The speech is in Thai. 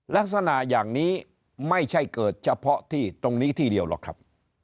ลักษณะอย่างนี้ไม่ใช่เกิดเฉพาะที่ตรงนี้ที่เดียวหรอกครับ